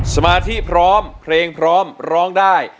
สมาธิพร้อมเพลงพร้อมร้องได้